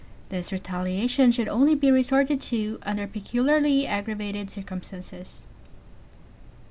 This retaliation should only be resorted to under peculiarly aggravated circumstances.